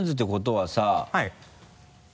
はい。